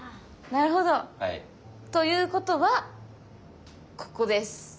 なるほど。ということはここです。